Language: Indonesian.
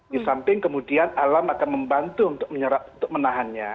di samping kemudian alam akan membantu untuk menahannya